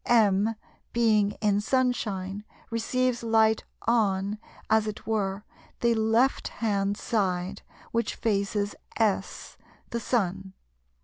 M being in sunshine receives light on, as it were, the left hand side, which faces S the Sun.